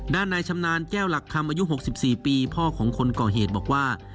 นายชำนาญแก้วหลักคำอายุ๖๔ปีพ่อของคนก่อเหตุบอกว่า